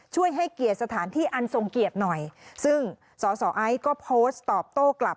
ให้เกียรติสถานที่อันทรงเกียรติหน่อยซึ่งสอสอไอซ์ก็โพสต์ตอบโต้กลับ